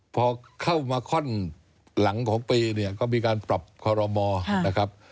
พอเข้ามาค่อนหลังของปีเนี่ยก็มีการปรับคอรมอนะครับ